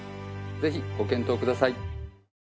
ぜひご検討ください。